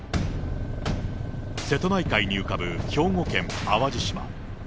瀬戸内海に浮かぶ兵庫県淡路島。